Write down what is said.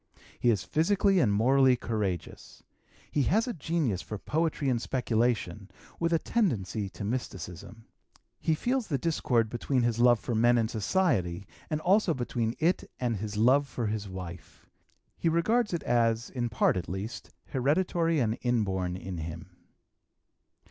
He is physically and morally courageous. He has a genius for poetry and speculation, with a tendency to mysticism. He feels the discord between his love for men and society, also between it and his love for his wife. He regards it as, in part, at least, hereditary and inborn in him.